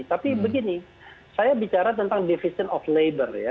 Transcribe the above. tapi begini saya bicara tentang division of labor ya